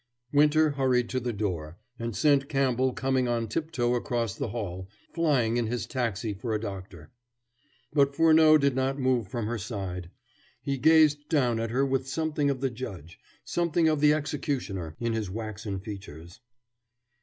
Winter hurried to the door, and sent Campbell, coming on tiptoe across the hall, flying in his taxi for a doctor. But Furneaux did not move from her side. He gazed down at her with something of the judge, something of the executioner, in his waxen features.